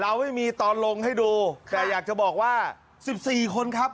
เราไม่มีตอนลงให้ดูแต่อยากจะบอกว่า๑๔คนครับ